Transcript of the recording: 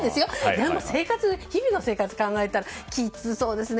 でも日々の生活を考えたらきびしそうですね。